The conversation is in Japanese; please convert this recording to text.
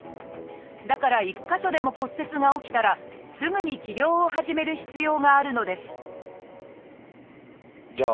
だから１か所でも骨折が起きたらすぐに治療を始める必要があるのですじゃあ